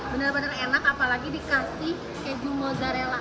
benar benar enak apalagi dikasih keju mozzarella